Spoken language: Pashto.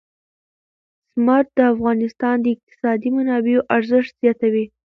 زمرد د افغانستان د اقتصادي منابعو ارزښت زیاتوي.